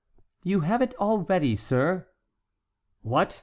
"You have it already, sir." "What?"